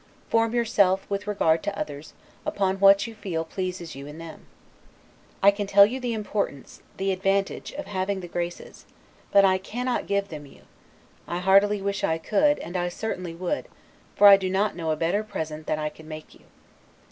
Form yourself, with regard to others, upon what you feel pleases you in them. I can tell you the importance, the advantage, of having the Graces; but I cannot give them you: I heartily wish I could, and I certainly would; for I do not know a better present that I could make you.